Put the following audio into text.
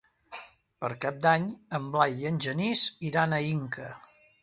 Per Cap d'Any en Blai i en Genís iran a Inca.